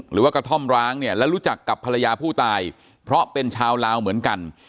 กระท่อมร้างเนี่ยและรู้จักกับภรรยาผู้ตายเพราะเป็นชาวลาวเหมือนกัน